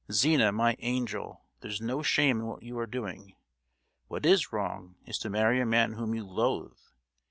Zina, my angel! there's no shame in what you are doing. What is wrong is to marry a man whom you loathe.